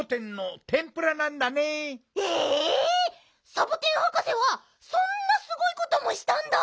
サボテンはかせはそんなすごいこともしたんだ。